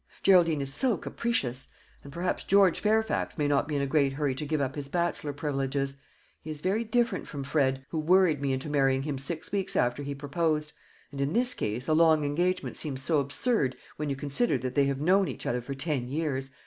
Geraldine is so capricious; and perhaps George Fairfax may not be in a great hurry to give up his bachelor privileges. He is very different from Fred, who worried me into marrying him six weeks after he proposed. And in this case a long engagement seems so absurd, when you consider that they have known each other for ten years.